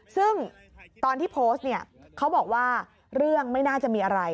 ซึ่งตอนที่โพสต์เนี่ยเขาบอกว่าเรื่องไม่น่าจะมีอะไร